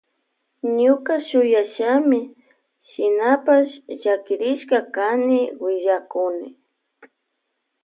Ñuka shuyashami shinapash llakirishka kani willakuni.